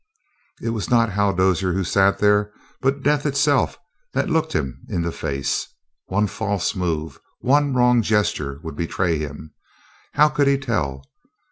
It was not Hal Dozier who sat there, but death itself that looked him in the face. One false move, one wrong gesture, would betray him. How could he tell?